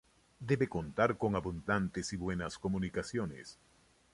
Debe contar con abundantes y buenas comunicaciones.